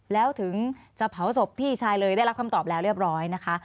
แล้วถึงจะเผาศพพี่ชายเลยได้รับคำตอบแล้วเรียบร้อยนะคะ